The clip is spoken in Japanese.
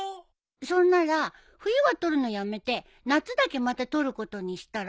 そんなら冬は取るのやめて夏だけまた取ることにしたら？